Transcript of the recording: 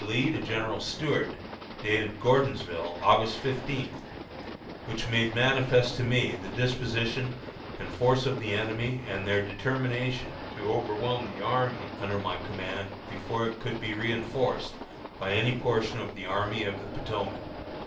Lee to General Stuart, dated Gordonsville, August fifteenth, which made manifest to me the disposition and force of the enemy and their determination to overwhelm the army under my command before it could be reënforced by any portion of the Army of the Potomac."